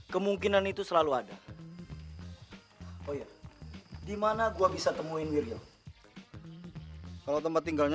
kemungkinan itu selalu ada oh ya dimana gua bisa temuin wirjo kalau tempat tinggalnya